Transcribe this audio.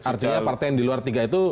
artinya partai yang di luar tiga itu